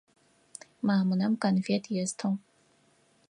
Мамунэм конфет естыгъ.